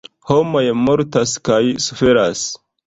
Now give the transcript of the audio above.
Homoj mortas kaj suferas.